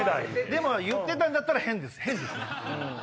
言ってたんだったら変ですね。